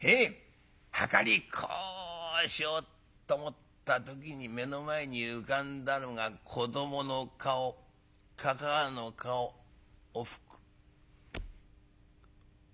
はかりこうしようと思った時に目の前に浮かんだのが子どもの顔かかあの顔おふく」。